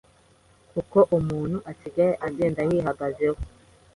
kuko umuntu asigaye agenda yihagazeho